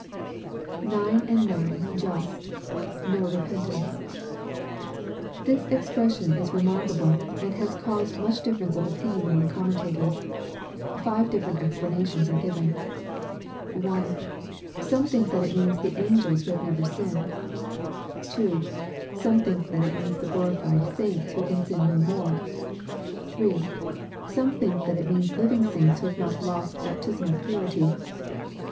[Ninety and nine just..,no repentance^ This expression is remark able, and has caused much difference of opinion among commen tators. Five different explanations are given. 1. Some think that it means the angels who have never sinned. 2. Some think that it means the glorified saints who can sin no more. 3. Some think that it means living saints who have not lost baptismal purity.